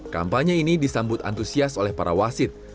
kampanye ini disambut antusias oleh para wasit